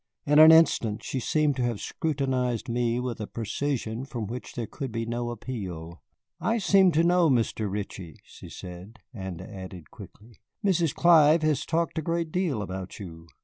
In an instant she seemed to have scrutinized me with a precision from which there could be no appeal. "I seem to know Mr. Ritchie," she said, and added quickly: "Mrs. Clive has talked a great deal about you.